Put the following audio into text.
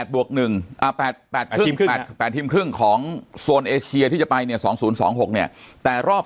๘ทีมครึ่งของโซนเอเชียที่จะไปเนี่ย๒๐๒๖เนี่ยแต่รอบ